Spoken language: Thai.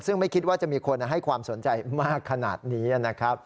ซึ่งไม่คิดว่าจะมีคนให้ความสนใจมากขนาดนี้นะครับ